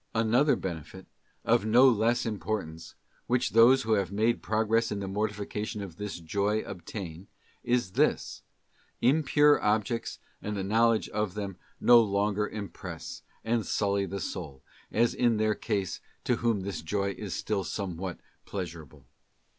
Another benefit, of no less importance, which those who have made progress in the mortification of this joy, obtain, is this: Impure objects and the knowledge of them no longer impress, and sully the soul, as in their case to whom this joy is still somewhat pleasurable.